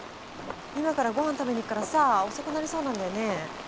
今からごはん食べにいくからさ遅くなりそうなんだよね